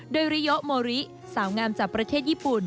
โดยริโยโมริสาวงามจากประเทศญี่ปุ่น